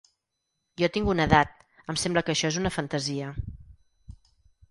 Jo tinc una edat, em sembla que això és una fantasia.